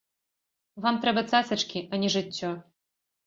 Вам трэба цацачкі, а не жыццё.